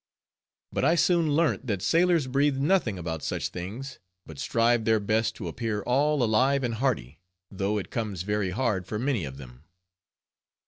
But I soon learnt that sailors breathe nothing about such things, but strive their best to appear all alive and hearty, though it comes very hard for many of them.